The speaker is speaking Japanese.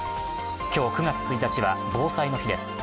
今日９月１日は防災の日です。